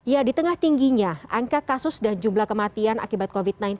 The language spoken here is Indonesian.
ya di tengah tingginya angka kasus dan jumlah kematian akibat covid sembilan belas